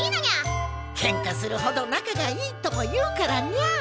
ケンカするほど仲がいいとも言うからにゃ。